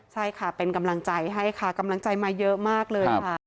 ใช่ค่ะเป็นกำลังใจให้ค่ะกำลังใจมาเยอะมากเลยค่ะ